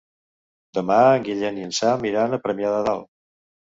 Demà en Guillem i en Sam iran a Premià de Dalt.